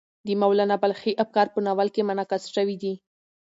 د مولانا بلخي افکار په ناول کې منعکس شوي دي.